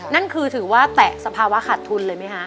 นั่นคือถือว่าแตะสภาวะขาดทุนเลยไหมคะ